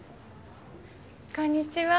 こんにちは。